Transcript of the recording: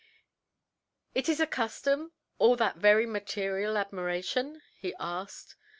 "It is a custom all that very material admiration?" he asked.